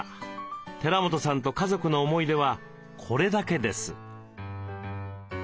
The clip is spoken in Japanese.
寺本さんと家族の思い出はこれだけです。